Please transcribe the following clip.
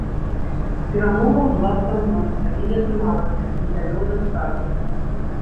Перамога была б за мной, але не атрымалася, не давёў да старту.